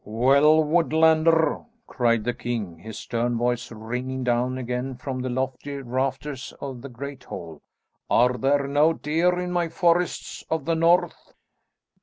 "Well, woodlander!" cried the king, his stern voice ringing down again from the lofty rafters of the great hall. "Are there no deer in my forests of the north?"